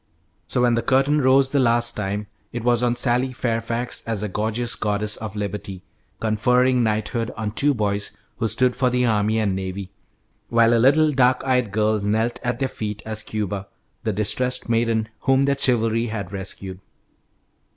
So when the curtain rose the last time, it was on Sally Fairfax as a gorgeous Goddess of Liberty, conferring knighthood on two boys who stood for the Army and Navy, while a little dark eyed girl knelt at their feet as Cuba, the distressed maiden whom their chivalry had rescued.